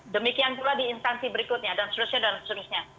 demikian pula di instansi berikutnya dan seterusnya dan seterusnya